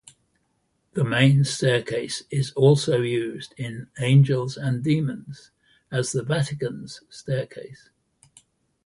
The main staircase is also used in "Angels and Demons" as the Vatican's staircase.